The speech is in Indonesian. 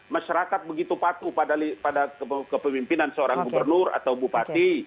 masyarakat begitu patuh pada kepemimpinan seorang gubernur atau bupati